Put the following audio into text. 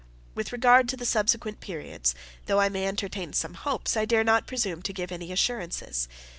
With regard to the subsequent periods, though I may entertain some hopes, I dare not presume to give any assurances.